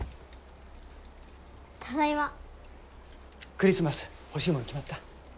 クリスマス欲しいもの決まった？